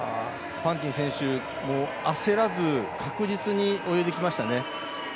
ファンティン選手焦らず、確実に泳いできましたね。